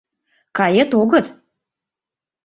Кает-огыт?!